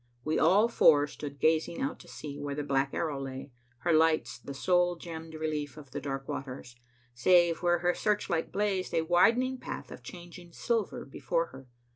We all four stood gazing out to sea where the Black Arrow lay, her lights the sole gemmed relief of the dark waters, save where her search light blazed a widening path of changing silver before her.